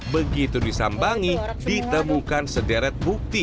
begitu disambangi ditemukan sederet bukti